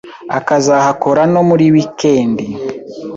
akazahakora no muri week end.